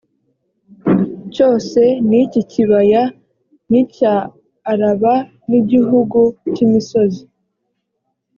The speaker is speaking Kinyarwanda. cyose n icy ikibaya n icya araba n igihugu cy imisozi